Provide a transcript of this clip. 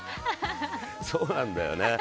そうなんだよね。